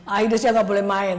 akhirnya saya nggak boleh main